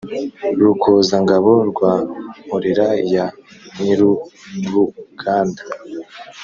rukoza-ngabo rwa nkorera ya nyir-uruganda,